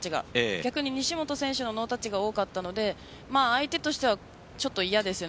逆に西本選手のノータッチが多かったので相手としてはちょっと嫌ですね。